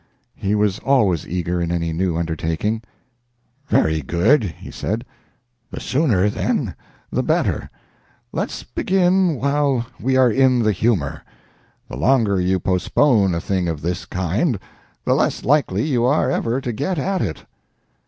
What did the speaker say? He was always eager in any new undertaking. "Very good," he said, "the sooner, then, the better. Let's begin while we are in the humor. The longer you postpone a thing of this kind, the less likely you are ever to get at it."